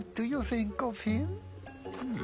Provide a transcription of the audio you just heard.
うん。